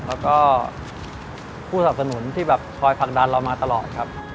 แล้วก็ผู้สนับสนุนที่แบบคอยผลักดันเรามาตลอดครับ